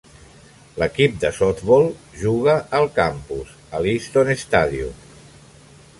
L'equip de softbol juga al campus, a l'Easton Stadium.